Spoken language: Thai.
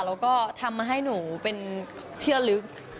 แล้วก็ทำมาให้หนูเป็นเที่ยวลึก